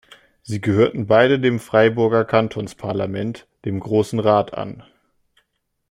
Sie gehörten beide dem Freiburger Kantonsparlament, dem Grossen Rat, an.